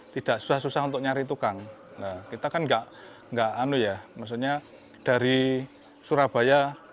tidak susah susah untuk nyari tukang kita kan enggak enggak anu ya maksudnya dari surabaya